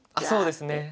そうですね。